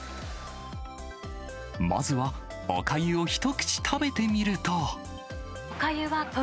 まずはおかゆを一口食べてみると。